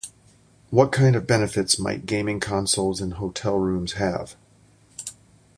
What kind of benefits might gaming consoles in hotel rooms have?